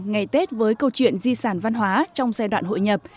ngày tết với câu chuyện di sản văn hóa